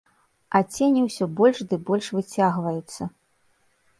А цені ўсё больш ды больш выцягваюцца.